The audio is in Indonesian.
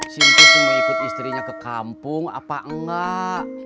sintech mau ikut istrinya ke kampung apa enggak